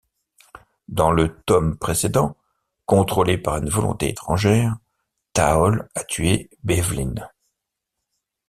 Dans le tome précédent, contrôlé par une volonté étrangère, Taol a tué Bevlin.